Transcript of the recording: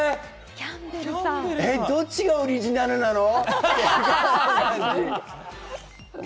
どっちがオリジナルなの？